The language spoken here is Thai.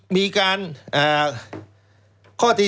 มีการคราวที่๔